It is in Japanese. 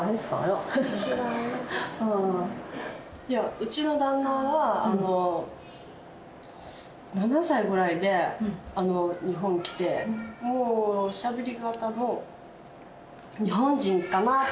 うちの旦那はあの７歳ぐらいで日本来てもうしゃべり方も日本人かなっていう感じですね。